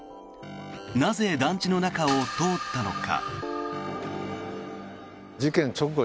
なぜ団地の中を通ったのか。